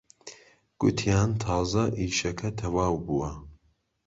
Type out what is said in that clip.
گوتیان تازە ئیشەکە تەواو بووە